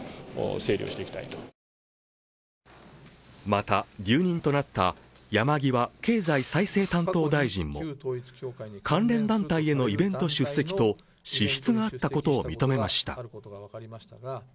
また留任となった山際経済再生担当大臣も関連団体へのイベント出席と支出があったことを認めました。